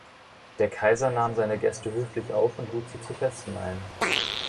Der Kaiser nahm seine Gäste höflich auf und lud sie zu Festen ein.